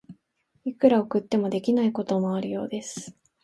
いくら送っても、できないこともあるようです。